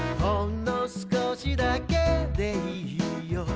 「ほんの少しだけでいいよ」